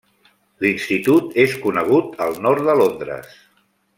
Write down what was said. L'institut és conegut al Nord de Londres.